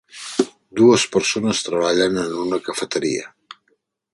Dues persones treballen en una cafeteria